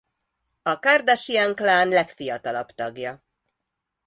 A Kardashian-klán legfiatalabb tagja.